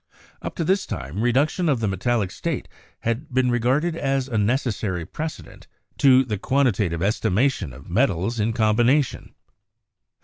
Up to this time, reduc tion to the metallic state had been regarded as a necessary precedent to the quantitative estimation of metals in com bination.